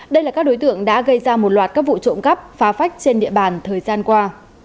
đây là các đối tượng đã gây ra một loạt các vụ trộm cắp phách trên địa bàn thời gian qua